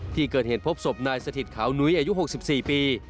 ที่เกิดเหตุพบศพนายสถิตขาวนุ้ยอายุ๖๔ปี